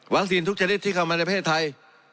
ทุกชนิดที่เข้ามาในประเทศไทย